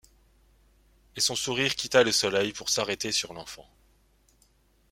Et son sourire quitta le soleil pour s’arrêter sur l’enfant.